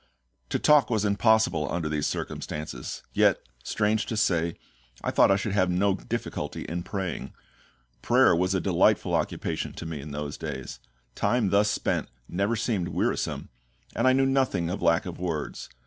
To talk was impossible under these circumstances; yet, strange to say, I thought I should have no difficulty in praying. Prayer was a delightful occupation to me in those days; time thus spent never seemed wearisome, and I knew nothing of lack of words.